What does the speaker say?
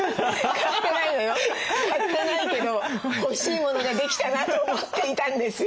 買ってないけど欲しいモノができたなと思っていたんですよ